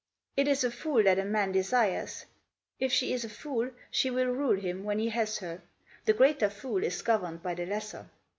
It is a fool that a man desires ; if she is a fool she will rule him when he has her. The greater fool is governed by the lesser."